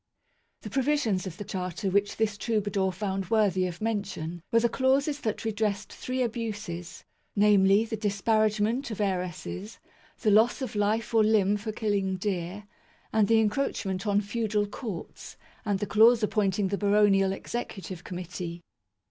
The provisions of the Charter which this trouba dour found worthy of mention were the clauses that redressed three abuses, namely the "disparagement'" of heiresses, the loss of life or limb for killing deer, and the encroachment on feudal courts, and the clause appointing the baronial executive committee.